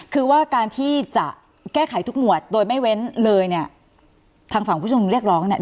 คือว่าการที่จะแก้ไขทุกหมวดโดยไม่เว้นเลยเนี่ยทางฝั่งผู้ชมนุมเรียกร้องเนี่ย